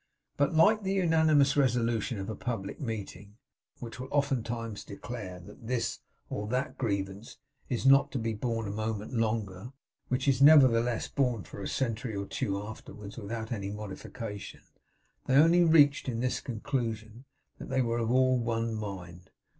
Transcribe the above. But, like the unanimous resolution of a public meeting, which will oftentimes declare that this or that grievance is not to be borne a moment longer, which is nevertheless borne for a century or two afterwards, without any modification, they only reached in this the conclusion that they were all of one mind.